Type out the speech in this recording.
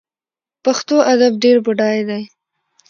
پښتو ادب ډیر بډای دی